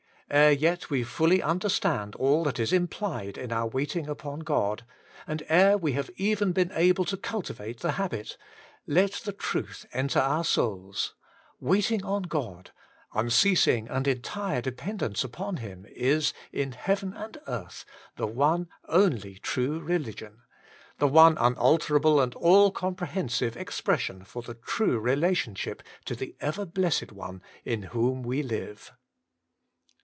Ere yet we fully understand all that is implied in our waiting upon God, and ere we have even been able to cultivate the habit, let the truth enter our souls : waiting on God, unceasing and entire depend ence upon Him, is, in heaven and earth, the one 28 WAITING ON GODt only true religion, the one unalterable and all comprehensive expression for the true relation ship to the ever blessed One in whom we live.